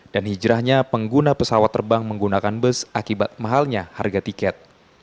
dan hijrahnya pengguna pesawat terbang menggunakan bus akibat mahalnya harga tiket